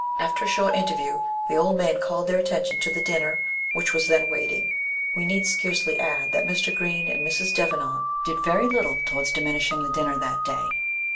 After a short interview, the old man called their attention to the dinner, which was then waiting. We need scarcely add, that Mr. Green and Mrs. Devenant did very little towards diminishing the dinner that day.